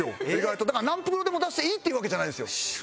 意外とだから何袋でも出していいっていうわけじゃないんですよ。